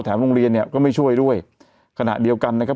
โรงเรียนเนี่ยก็ไม่ช่วยด้วยขณะเดียวกันนะครับ